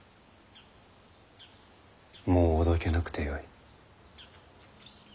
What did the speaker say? もうおどけなくてよい。